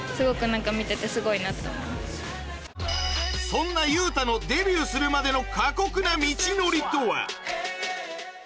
そんなユウタのデビューするまでの過酷な道のりとは？